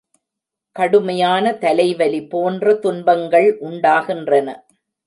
கடுமையான தலைவலி போன்ற துன்பங்கள் உண்டாகின்றன.